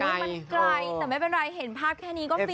มันไกลแต่ไม่เป็นไรเห็นภาพแค่นี้ก็ฟิน